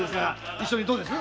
一緒にどうです？